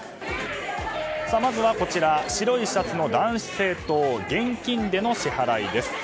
まずは白いシャツの男子生徒現金での支払いです。